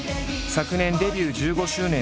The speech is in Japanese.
昨年がデビュー１５周年。